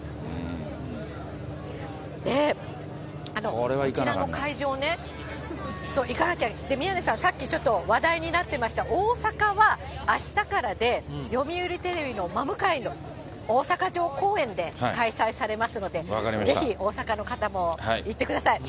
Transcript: で、こちらの会場ね、行かなきゃ、で、宮根さん、さっきちょっと、話題になってました大阪はあしたからで、読売テレビの真向いの大阪城公園で開催されますので、ぜひ、大阪の方も行ってください。